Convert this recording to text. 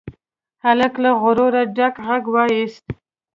هلک له غروره ډک غږ واېست.